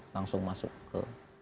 langsung masuk ke